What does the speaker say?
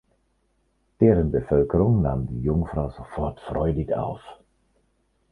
Deren Bevölkerung nahm die Jungfrau sofort freudig auf.